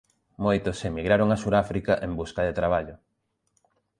Moitos emigraron a Suráfrica en busca de traballo.